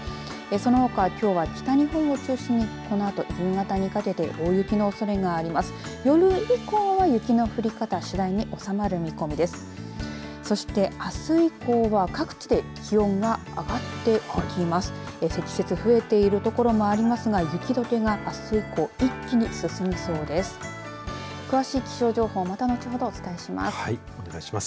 そのほか、きょうは北日本を中心にこのあと夕方にかけて大雪のおそれがあります。